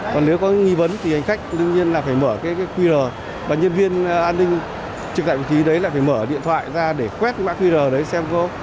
còn nếu có nghi vấn thì khách đương nhiên là phải mở cái qr và nhân viên an ninh trực tại một tí đấy là phải mở điện thoại ra để quét cái qr đấy xem có